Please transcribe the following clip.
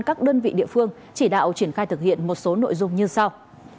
các đơn vị địa phương chỉ đạo triển khai thực hiện một số nội dung như sau